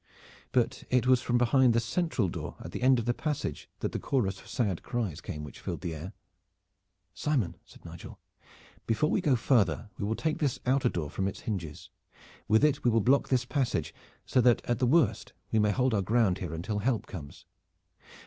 But it was from behind the central door at the end of the passage that the chorus of sad cries came which filled the air. "Simon," said Nigel, "before we go farther we will take this outer door from its hinges. With it we will block this passage so that at the worst we may hold our ground here until help comes.